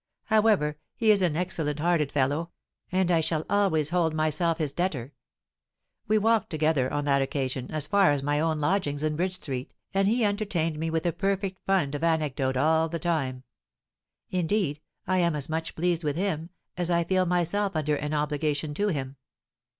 However, he is an excellent hearted fellow—and I shall always hold myself his debtor. We walked together, on that occasion, as far as my own lodgings in Bridge Street, and he entertained me with a perfect fund of anecdote all the time. Indeed, I am as much pleased with him, as I feel myself under an obligation to him."